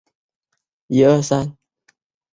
链肠锡叶吸虫为同盘科锡叶属的动物。